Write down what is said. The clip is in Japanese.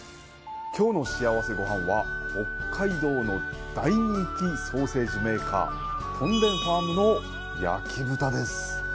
きょうの幸せごはんは北海道の大人気ソーセージメーカートンデンファームの焼豚です。